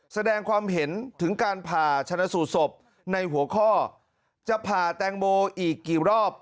แสดงความเห็นถึงการผ่าชนะสูตรศพในหัวข้อจะผ่าแตงโมอีกกี่รอบ